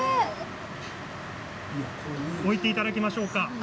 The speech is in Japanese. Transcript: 置いていただきましょうか。